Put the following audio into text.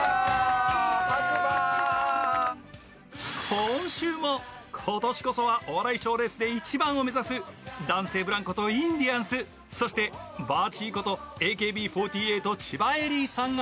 今週も今年こそはお笑い賞レースで一番を目指す男性ブランコとインディアンス、そしてバーチーことＡＫＢ４８・千葉恵里さんが